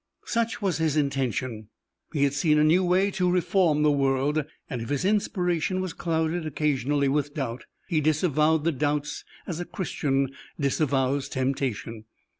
Such was his intention; he had seen a new way to reform the world, and if his inspiration was clouded occasionally with doubt, he disavowed the doubts as a Christian disavows temptation.